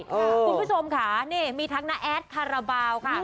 คุณผู้ชมค่ะนี่มีทั้งน้าแอดคาราบาลค่ะ